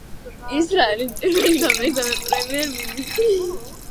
ისრაელის პირველი და მესამე პრემიერ-მინისტრი.